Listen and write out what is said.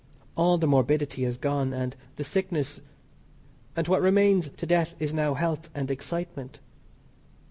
All the morbidity is gone, and the sickness, and what remains to Death is now health and excitement.